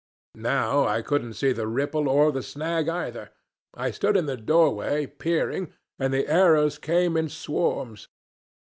Now I couldn't see the ripple or the snag either. I stood in the doorway, peering, and the arrows came in swarms.